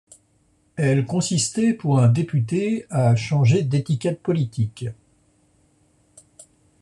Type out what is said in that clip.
Elle consistait pour un député à changer d'étiquette politique.